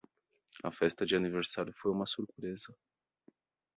A festa de aniversário foi uma surpresa.